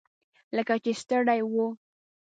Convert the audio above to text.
لکه چې ستړي وو.